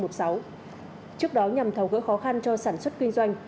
trước đó nhằm tháo gỡ khó khăn cho sản xuất kinh doanh